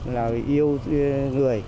là yêu người